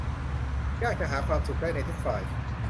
ยากจะหาความสุขได้ในทุกฝ่าย